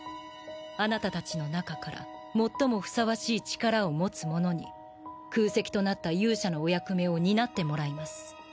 あなたたちの中から最もふさわしい力を持つ者に空席となった勇者のお役目を担ってもらいます。